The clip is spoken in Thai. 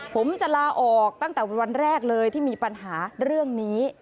ผมจะลาออกตั้งแต่วันแรกเลยที่มีปัญหาเรื่องนี้